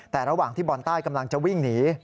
แต่ระหว่างที่บอลใต้กำลังจะวิ่งหนี